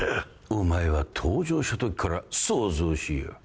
お前は登場したときから騒々しいよ。